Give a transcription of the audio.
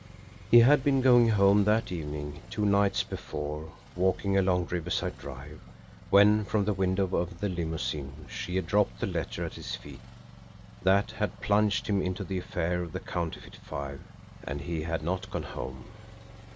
He had been going home that evening, two nights before, walking along Riverside Drive, when from the window of the limousine she had dropped the letter at his feet that had plunged him into the affair of the Counterfeit Five and he had not gone home!